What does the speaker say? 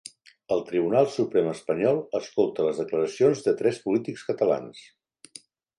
El Tribunal Suprem espanyol escolta les declaracions de tres polítics catalans